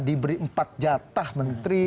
diberi empat jatah menteri